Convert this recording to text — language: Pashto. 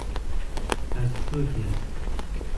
ـ تاسو څوک یاست؟